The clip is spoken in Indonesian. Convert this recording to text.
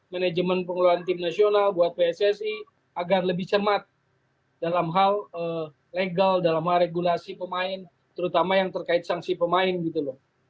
manajemen pengelolaan tim nasional buat pssi agar lebih cermat dalam hal legal dalam hal regulasi pemain terutama yang terkait sanksi pemain gitu loh